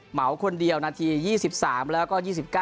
เหมาคนเดียวนาที๒๓แล้วก็๒๙